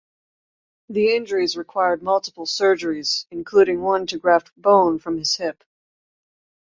The injuries required multiple surgeries, including one to graft bone from his hip.